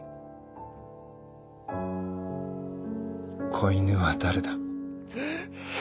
子犬は誰だ？